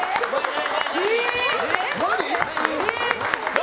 何？